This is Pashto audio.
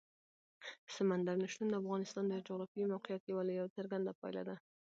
سمندر نه شتون د افغانستان د جغرافیایي موقیعت یوه لویه او څرګنده پایله ده.